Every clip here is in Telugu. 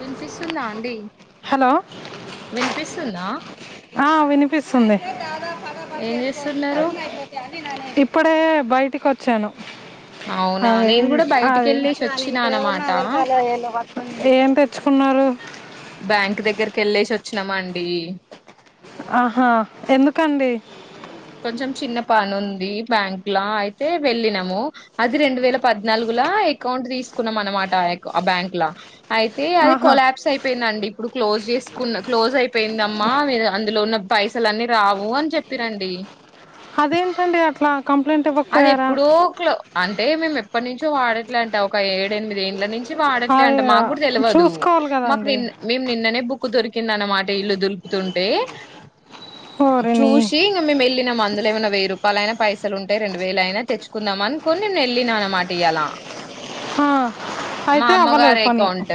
వినిపిస్తుందా అండి హలో వినిపిస్తుందా ఆ వినిపిస్తుంది, ఏం చేస్తున్నారు ఇప్పుడే బయటికొచ్ చను అవునా, నేను కూడా అది బయటికెళ్ళేసి వచ్చినా అన్నమాట. ఏం తెచ్చుకున్నారు బ్యాంక్ దగ్గరకెళ్ళేసి వచ్చినమండి. ఆహా ఎందుకండి కొంచెం చిన్న పని ఉంది బ్యాంక్ లా, అయితే వెళ్ళినము అది రెండు వేల పద్నాలుగులా అకౌంట్ తీసుకున్నాం అనమాట. ఎక్ ఆ బ్యాంక్ ల. అయితే అది ఆహా కొలాప్స్ అయిపోయిందండి, ఇప్పుడు క్లోజ్ చేసి కున్న క్లోజ్ అయి పోయింద అమ్మా, మీర్ అందులో ఉన్న పైసలన్నీ రావు అని చెప్పిరండి. అదేంటండి అట్లా, కంప్లైంట్ అది ఇవ్వకపోయారా. ఎప్పుడో క్లో అంటే మేము ఎప్పటి నుంచో వాడట్లే అంట ఒక ఏడెనిమిది ఏండ్ల నుంచి అది వాడట్లేఅంట మాక్కూడ తెల్వదు, చూసుకోవాలి మాక్ కదండి నిన్ నిన్ననే బుక్ ఉక్కు దొరికిందన్నమాట ఇల్లు దులుపుతుంటే ఓరిని చూసి ఇగ మేం ఎల్లి అందులో ఏమైన వెయ్యి రూపాయలైనా పైసల్ ఉంటే రెండు వేలైనా తెచ్చుకుందామనుకోని నేన్ ఎల్లిన అన్నమాట ఇయాలా ఆ, మా అయితే అవ్వలేదు అమ్మగారి పని అకౌంట్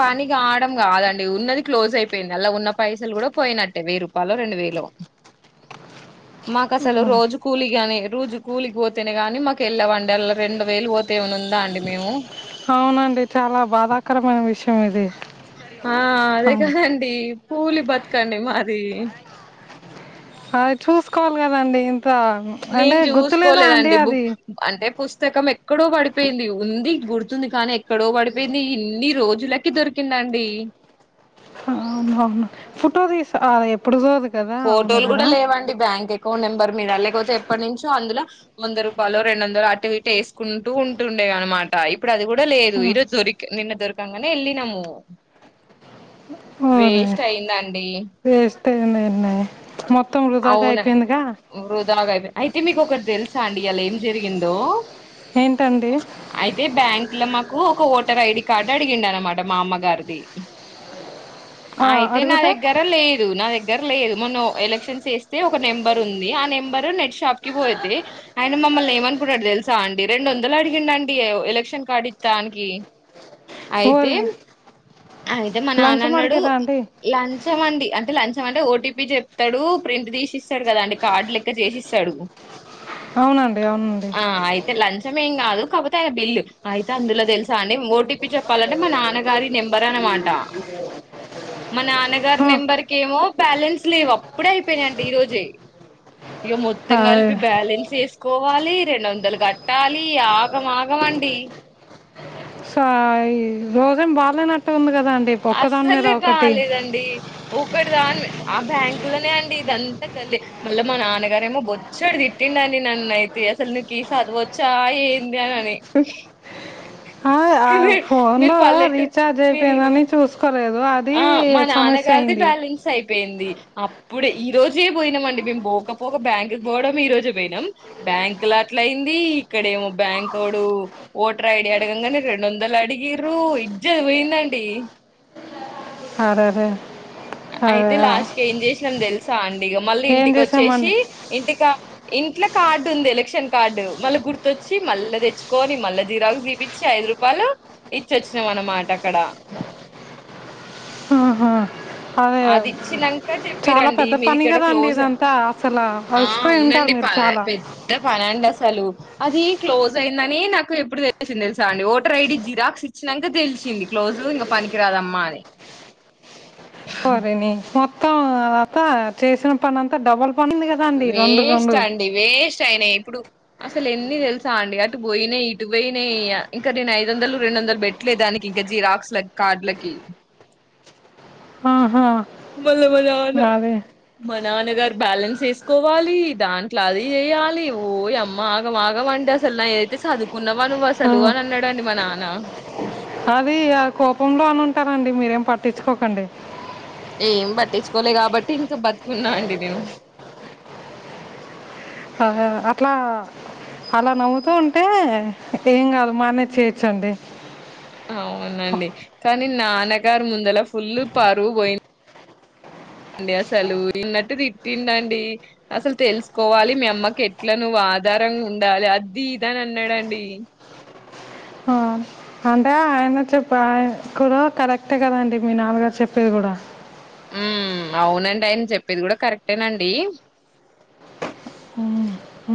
పనిగా ఉండడం కాదండి ఉన్నది క్లోజ్ అయిపోయింది అల్ల ఉన్న పైసల్ గుడా పోయినట్టే వెయ్యి రూపాలో రెండు వేలో మాకసలు రోజు కూలిగానే రోజు కూలికి పోతేనే గాని మాక్ ఎళ్ళవండి అల్ల రెండు వేలు పోతే ఏమన్న ఉందా అండి మేము అవునండి చాలా బాధాకరమైన విషయం ఇది ఆ అదే అవును. కదండి కూలీ బతుకండి మాది ఆ చూస్కోవాల్ కదండి కా అంటే నేను గుర్తు లేదా అండి చూసుకోలేదండి అది బుక్ అంటే పుస్తకం ఎక్కడో పడిపోయింది ఉంది గుర్తుంది కానీ ఎక్కడో పడిపోయింది ఇన్ని రోజులకి దొరికిందండి. అవును అవును ఫోటో తీస్ అ ఎప్పుడు ఫోటోలు కూడా లేవండి బ్యాంక్ ఎ కౌంట్ నెంబర్ మీద లేకపోతే ఎప్పట్నుంచో అందులో వంద రూపాలో రెండు వందలు అటు ఇటు ఏస్కుంటూ ఉంటుండే అన్నమాట ఇప్పుడు అది గుడా లేదు ఈరోజు దొరి నిన్న దొరకంగనే వెళ్ళినము అవును వేస్ట్ అయిందండి. వేస్ట్ [unintelligible] అవునండి అయిపోయిందిగా వృదాగా అయిపో అయితే మీకు ఒకట్ తెల్సా అండి ఇయల జరిగిందో ఏంటండి అయితే బ్యాంక్ల మాకు ఒక టర్ ఐడి కార్డ్ అడిగిండన్నమాట మా అమ్మగార్ది ఆ అయితే నా అడుగుతే దగ్గర లేదు నా దగ్గ దగ్గర లేదు మొన్న ఒ ఎలక్షన్స్ చేస్తే ఒక నెంబర్ ఉంది. ఆ నెంబర్ నెట్ షాప్కి పోతే ఆయన మమ్మల్ని ఏమనుకుంన్నడ్ తెల్సా అండి రెండు వందలు అడిగిండండి ఎలక్షన్ కార్డు ఇస్తానికి అయితే ఓరు అయితే మా నాన్న లంచం అన్నడు అడిగారా అండి లంచం అండి అ అంటే లంచం అంటే ఓటీపీ చెప్తడు ప్రింట్ తీసిస్తడు కదా అండి కార్డు లెక్క చేసిస్తడు. అవునండి అవునండి లంచం ఏం కాదు కాకపోతే ఆయన బిల్ అయితే అందులో తెల్సా అండి ఓటీపీ చెప్పాలంటే మా నాన్నగారి నెంబర్ అన్నమాట మా నాన్నగారి ఆ నెంబర్కేమో బ్యాలెన్స్ లేవ్ అప్పుడే అయిపోయినయి అంటే ఈ రోజే ఇగ మొత్తం అదే కల్పి బ్యాలెన్స్ ఏస్ కోవాలి రెండు వందలు కట్టాలి ఆగ మాగమండి. సాయి రోజెం బాలేనట్టు ఉంది కదా అండి ఒక్కదాని మీద అస్సలే ఒకటి బాలేదండి. ఒ ఒక్కటి దాన్ ఆ బ్యాంక్లనే అండి ఇదంతా కల్ మళ్ళ మా నాన్నగారేమో బొచ్చడు తిట్టిండండి నన్నైతే అసల్ నీకి చదువచ్చా ఏంది అని అని ఆ ఫోన్ మీరు లో పల్లెటూ రీచార్జ్ అయిపోయింది మీరేమన్నా అని చూసుకోలేదు అది ఆ మా సమస్య నాన్నగారిది అయింది బ్యాలెన్స్ అయి పోయింది అప్పుడే ఈ రోజే పోయినమ్ అండి మేము పోకపోక బ్యాంకు కు పోవడం ఈ రోజే వెయినాం బ్యాంకు ల అట్ల అయింది ఇక్కడేమో బ్యాంకోడు ఓటర్ ఐడి అడగంగానే రెండు వందలు అడిగిర్రు ఇజ్జతి పోయింది అండి అరేరే అదే అయితే లాస్ట్ కి ఏం చేసినాం తెలుసు తాను ఇగ మళ్ళీ ఏం ఇంటికి వచ్చేసి చేసామండి ఇంటికా ఇంట్ల కార్డు ఉంది ఎలక్షన్ కార్డు మళ్ళీ గుర్తొచ్చి మళ్ళా తెచ్చుకొని మళ్ళా జిరాక్స్ తీపించి ఐదు రూపాయలు ఇచ్చొచ్చినాం అన్నమాట అక్కడ ఆహా అదే అది ఇచ్చినంక చాలా చెప్పిరండి పెద్ద మీది పని ఇక్కడ గదా అండి క్లోజ్ ఇదంతా అసలు ఆ అలసిపోయి ఉంటారు అవునండి ప మీరు చాలా పెద్ద పనండి అసలు అది క్లోజ్ అయిందని నాకు ఎప్పుడు తెలిసింది తెలుసా అండి ఓటర్ ఐడి జిరాక్స్ ఇచ్చినంక తెలిసింది క్లోజ్ ఇంగ పనికిరాదమ్మా అని పని మత్త మొత్తం అత్త చేసిన పని అంతా డబల్ పని ఉంది కదండి రెండు వెస్ట్ రెండు అండి వెస్ట్ అయినాయి ఇప్పుడు అసలు ఎన్ని తెలుసా అండి అటు పోయినాయ్ ఇటు పోయినాయ్ ఇంకా నేను ఐదు వందలు రెండు వందలు బెట్టలే దానికి ఇంకా జిరాక్స్ లకు కార్డ్ లకి ఆహా మళ్ళా మళ్ళా ఆన అదే మత్ నాన్నగారు బ్యాలెన్స్ వేసుకోవాలి దాంట్లో అది చేయాలి ఓయమ్మ ఆగం ఆగం అండి అసలు నాయ్ అయితే చదువుకున్నవా నువ్వు ఆ, అసలు అని అన్నాడండి మా నాన్న అది ఆ కోపంలో అనును అంటారండి మీరేం పట్టించుకోకండి ఏం పట్టించుకోలే కాబట్టి ఇంకా బతుకున్నా అండి నేను హ హ అట్లా అలా నవ్వుతూ ఉంటే ఏం కాదు మానేజ్ చేయచ్చు అండి అవునండి కానీ నాన్నగారు ముందల ఫుల్ పరువు పోయింది అండి అసలు ఇన్నట్టు తిట్టిండు అండి అసలు తెలుసుకోవాలి మీ అమ్మకి ఎట్లా నువ్వు ఆధారం ఉండాలి అది ఇది అని అన్నాడండి ఆ, అంటే ఆయన చెప్ప ఆయన కూడా కరెక్టే కదండి మీ నాన్నగారు చెప్పేది కూడా హ్మ్ అవునండి ఆయన చెప్పేది కూడా కరెక్టేనండి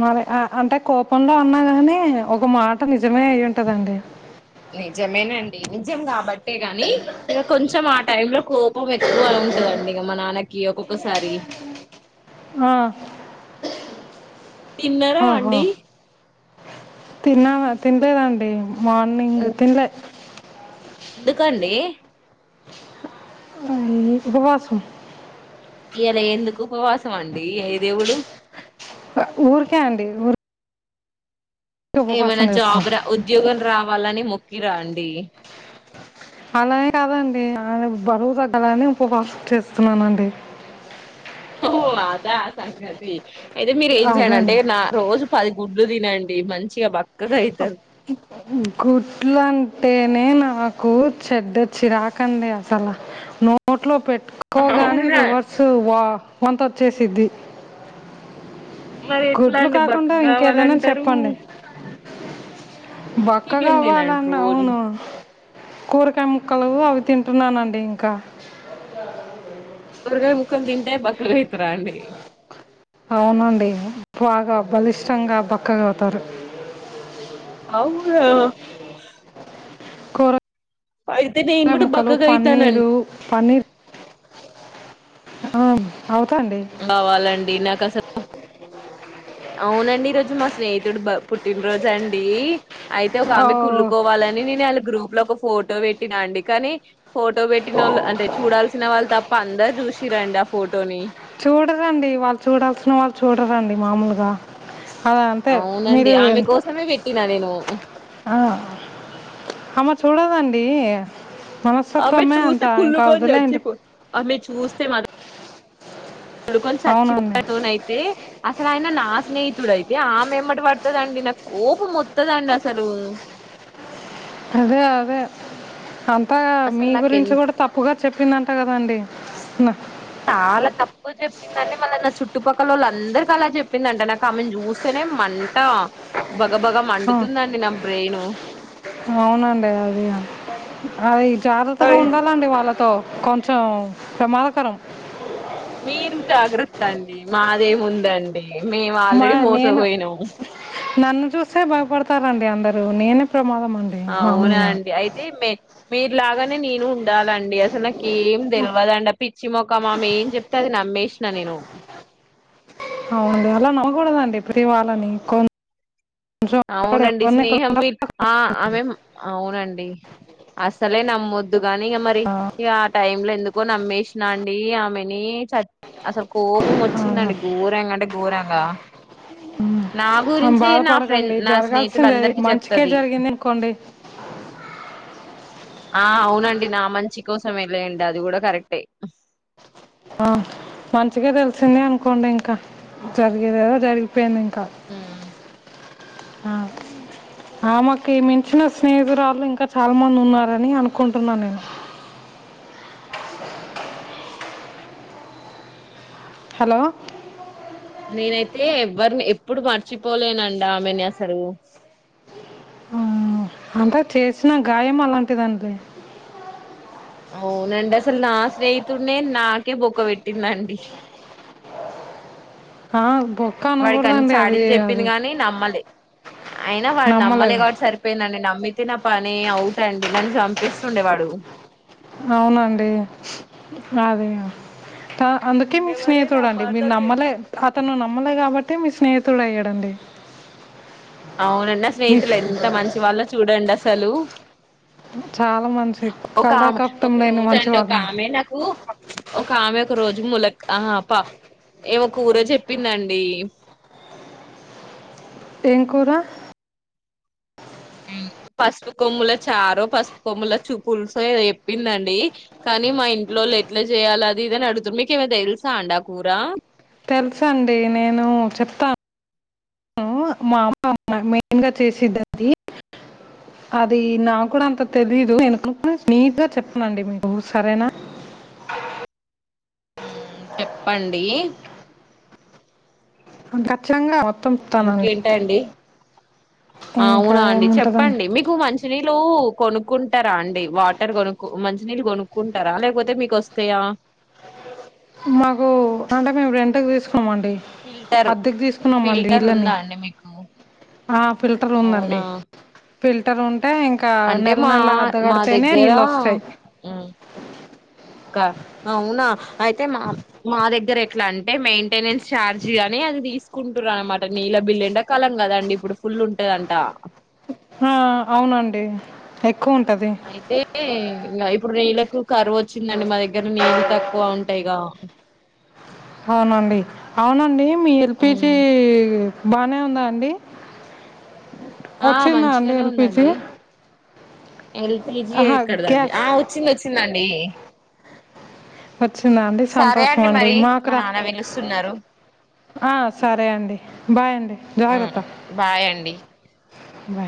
మరే ఆ అంటే కోపంలో అన్నా గాని ఒక మాట నిజమే అయి ఉంటదండి నిజమేనండి నిజం కాబట్టే గాని ఇగ కొంచెం ఆ టైం లో కోపం ఎక్కువ ఉంటదండి ఇగ మా నాన్నకి ఒక్కొక్కసారి ఆ తిన్నార అండి తిన్నావా తినలేదు ఆంటీ మార్నింగ్ తిన్లే ఎందుకండి నీ ఉసుకు వసుం ఇలా ఎందుకు ఉపవాసం అండి ఏ దేవుడు ఊరికే అండి ఊరు ఏమైనా చేస్తాం జాబ్ రా ఉద్యోగం రావాలని మొ కిరండి అలానే కాదండి ఆయన బరువు తగ్గలని ఉపవాసం చేస్తున్నానండి ఓహో అద సంగతి అయితే మీరు ఏం అదే చేయాలి అంటే అండి నా రోజు పది గుడ్లు తినండి మంచిగా బక్కగా అవుతారు గుడ్లు అంటేనే నాకు చెడ్డ చిరాకండి అసలు నోట్లో పెట్ క్కోగానే అవునా అండి రివర్సు వా వాంత్ వచ్చేసిద్ది మరి ఎట్లా గుడ్లు అండి బక్క కాకుండా ఇంకేదైనా కావాలంటారు చెప్పండి బక్కగా చికెన్ తినండి అవ్వాలన్న రోజు అవును కూరకాయ ముక్కలు అవి తింటున్నానండి ఇంకా సొరకాయ ముక్కలు టె బక్కగ అయితారండి అవునండి బాగా బలిష్టంగా బక్కగా అవుతారు అవును కో పల కూడా ముక్కలు బక్కగా అయితానండి పన్నీరు పన్నీర్ అవు కావాలండి నాకు అసలు అవునండి ఈ రోజు మా స్నేహితుడు పుట్టినరోజ అండి అయితే ఒక ఆమె కుల్లుకోవాలని నేను వాళ్ళ గ్రూప్ లో ఒక ఫోటో పెట్టినాండి కానీ ఫోటో పెట్టిన వాళ్ళు అంటే చూడాల్సిన వాళ్ళు తప్ప అందరూ చూసిరండి ఆ ఫోటోని చూడదండి వాళ్ళు చూడాల్సిన వాళ్ళు చూడరు రండి మామూలుగా అలా అంటే అవునండి మీరు ఆమె కోసమే పెట్టినా నేను అమ చూడదండి ఆమె మనస్తత్వమే అంత చూస్తే ఇంకా కుళ్ళుకొని వదిలేయండి చచ్చిపో ఆమె చూస్తే మాత్రం తడుక సచ్చ అవునండి పనయితే అ అసలు ఆయన నా స్నేహితుడు అయితే ఆమె ఏమట పడుతందండి నా కోపం మొత్తదండి అసలు అదే అదే అంత మీ అసలు నాకు గురించి కూడా ఎంత తప్పుగా చెప్పిందంట కదండి నా చాలా తప్పుకు చెప్పిందండి మళ్ళ నా చుట్టుపక్కల వాళ్ళు అందరికి అలా చెప్పిందంట నాకు ఆమెను చూస్తేనే మంట బగబగ మండుతుందండి నా బ్రెయిను అవునండి అది అది జాగ్రత్తగా అయితే ఉండాలండి వాళ్ళతో కొంచెం ప్రమాదకరం మీరు జాగ్రత్త అండి మాదేమి ఉందండి మేము మా ఆల్రెడీ నేను మోసపోయినాము నన్ను చూస్తే బాయపడతారంండి అందరు నేను ప్రమాదమండి మామూలుగా మీరు లాగానే నేను ఉండాలండి అసలు ఏం తెలివదండి ఆ పిచ్చి మొకామామే ఏం చెప్తే ఆది నమేష్ న నేను అవుంది అలా నవ్వకూడదండి ఇ ప్రీ వాళ్ళని కొ అవునండి స్నేహం వ ఆ ఆమె అవునండి అసలే నమ్మోద్ దుగాని ఇక మరి ఇ ఆ టైమ్ లో ఎందుకోని నమ్మేష్ అండి ఆమెని చ అసలు కోపం వచ్చ చిన్నండి ఆ, గోరంగా అంటే గో పోరాగా నా గురించిే నా దండి జరగాల్సింద స్నేహితులందరికీ మంచికే చెప్తది జరిగింది అనుకోండి ఆ అవునండి నా మంచి కోసమే లేండి అది కూడా కరెక్టే ఆ మంచిగా తెలిసింది అనుకోండి ఇంకా జరిగేదెదో జరిగిపోయింది ఇంకా అవునండి. మ ే మించిన స్నేహితురాళు ఇంకా చాలా మంది ఉన్నారని అనుకుంటున్నాను నేను హలో నేనైతే ఎవరిని ఎప్పుడు మర్చిపోలేనండి ఆమెనసలు ఆ, అంటే చేసిన గాయం అలాంటిదండి అవునండి అసలు నా స్నేహితుడిే నాకే బొక్క పెట్టిందండి హా వాడికి అన్ని చాడీలు చెప్పింది కాని నమ్మలే అయినా వాడు నమ్మలే నమ్మలేదు కాబట్టి సరిపోయిందండి నమ్మి నా పని అవుట్ అండి నన్ను చంపేస్తుండే వాడు అవునండి అదే అందుకే మీ ఎవరైనా స్నేహితుడు అండి మీరు అపార్థం చే నమ్మలే తను నమ్మలే కాబట్టి మీ స్నేహితుడు అయ్యాడండి అవునండి నా మీ స్నేహితులు ఎంత మంచి వాళ్ళో చూడండి అ అసలు చాలా మంచి ఒక ఆమె కళాకప్తం ఒక లేని రోజ మంచి అండి ఒక వాళ్ళండి ఆమె నాకు ఒక ఆమె ఒక రోజు ములక్ ఆ పా ఏమొ కూర చెప్పిందండి ఎంకురా పసుపు కొమ్ముల చారో పసుపు కొమ్ముల చూపులుసుో చెప్పిందండి కానీ మా ఇంట్లోళ్ళు ఎట్లా చేయాలి అది ఇది అని అడుగుతుంది మీక ఏమ తెలుసాండి అ కూర తెలుసా అండి నేను చెప్తాను మా అమ్మ మెయిన్గా చేసదది అది నాకు కూడా అంత తెలీదును నీట్గా చెప్పనండి మీకు సరేనా మ్ చెప్పండి గట్లంగా ఇంకేంట అండి ఇంకా అవునా అండి ఏముంటదండి చెప్పండి మీకు మంచి ని నీళ్లు కొనుక్కుంటారా అండి వాటర్ కొనుకు మంచి నీళ్ళు కొనుక్కుంటారా లేకపోతే మీకు వస్తాయా మాకు అంటే మేము రెంటుకు తీసు అండి ఫిల్టర్ అద్దెకు తీసుకున్నామండి ఫిల్టర్ నిళ్ళని ఉందా అండి మీకు ఆ ఫిల్టర్ అవునా ఉందండి ఫిల్టర్ ఉంట అంటే ఇంకా అంటే నెల మా నెల మా అద్దగడితేనే దగ్గర నీళ్ళ వస్తాయి కా అవునా అయితే మా మా దగ్గర ఎ ఎట్లా అంటే మెయింటెనెన్స్ ఛార్జ్ అని అది తీసుకుంటురు అన్నామాట నీళ్ళ బిల్లు ఎండాకాలం కదండి ఇప్పుడు ఫుల్ ఉంటదంట ఆ అవునండి ఎ అయితే ఇంగ ఇప్పు రీలకు కరువు వచ్చిందండి మా దగ్గర నీళ్ళ తక్కువ ఉంటాయిగా అవునండి అవునండి మీ ఎల్ పి జి ఉమ్. బాగానే ఉందా అండి ఆ వచ్చిందా అండి మంచిగానే ఎల్‌పీజీ? ఉందండి ఎల్ పి జి అహా! ఇక్కడదండి గ్యాస్ ఆ వచ్చింది వచ్చిందండి వచ్చిందా అండి సరే సంతోషం అండి మరి మాకు మా రా నాన్న పిలుస్తున్నారు ఆ సరే అండి బాయ్ అండి జాగ్రత్త బాయ్ అండి బాయ్